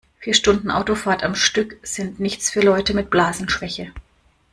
Vier Stunden Autofahrt am Stück sind nichts für Leute mit Blasenschwäche.